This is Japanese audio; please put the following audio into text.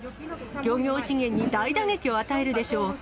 漁業資源に大打撃を与えるでしょう。